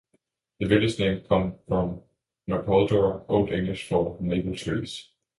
The village name comes from "mapuldor", Old English for 'maple tree'.